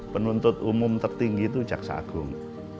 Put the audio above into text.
penuntut umum tertinggi itu jaksa agung